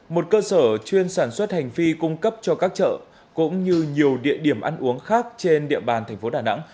một cơ sở chuyên sản xuất hành phi cung cấp cho các chợ cũng như nhiều địa điểm ăn uống khác trên địa bàn thành phố đà nẵng